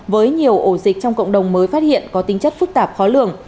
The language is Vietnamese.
với nhiều ổ dịch trong cộng đồng mới phát hiện có tính chất phức tạp khó lường